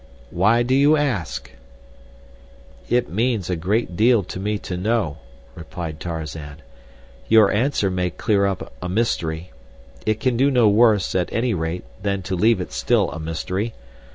"Why do you ask?" "It means a great deal to me to know," replied Tarzan. "Your answer may clear up a mystery. It can do no worse, at any rate, than to leave it still a mystery.